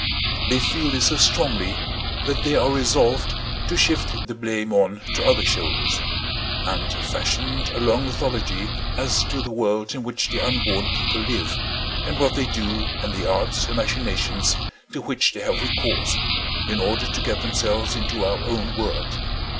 They feel this so strongly that they are resolved to shift the blame on to other shoulders; and have fashioned a long mythology as to the world in which the unborn people live, and what they do, and the arts and machinations to which they have recourse in order to get themselves into our own world.